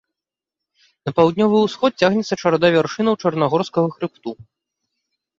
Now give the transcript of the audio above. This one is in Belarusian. На паўднёвы ўсход цягнецца чарада вяршыняў чарнагорскага хрыбту.